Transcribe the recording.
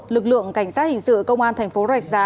lực lượng cảnh sát hình sự công an thành phố rạch giá